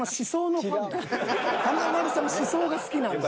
華丸さんの思想が好きなんだ。